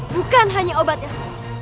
bukan hanya obat yang